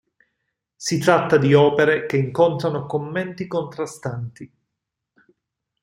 Si tratta di opere che incontrano commenti contrastanti.